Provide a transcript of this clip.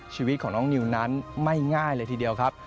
ชีวิตของน้องนิวนั้นไม่ง่ายเลยทีเดียวครับ